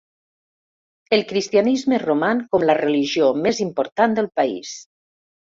El cristianisme roman com la religió més important del país.